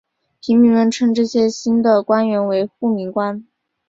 平民们称这些新的官员为护民官。